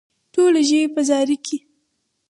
ټوله ژوي په زاري کې.